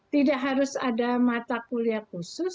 tidak harus ada mata kuliah khusus